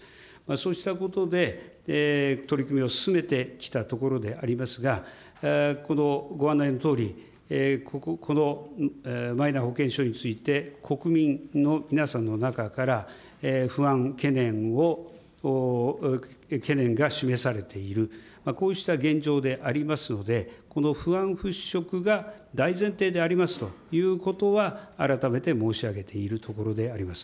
そうしたことで、取り組みを進めてきたところでありますが、このご案内のとおり、このマイナ保険証について、国民の皆さんの中から不安、懸念を、懸念が示されている、こうした現状でありますので、この不安払拭が大前提でありますということは、改めて申し上げているところであります。